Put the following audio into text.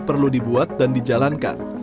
perlu dibuat dan dijalankan